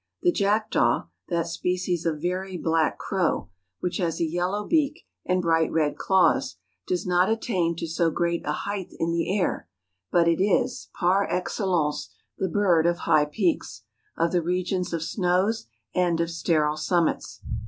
The jackdaw, that species of very black crow, which has a yellow beak and bright red claws, does not attain to so great a height in the air; but it is, par excellence, the bird of high peaks,— of the regions of snows and of sterile summits.